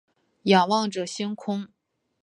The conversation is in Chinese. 仰望着星空